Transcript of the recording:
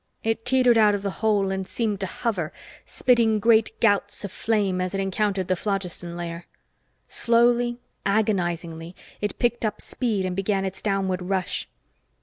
It teetered out of the hole and seemed to hover, spitting great gouts of flame as it encountered the phlogiston layer. Slowly, agonizingly, it picked up speed and began its downward rush.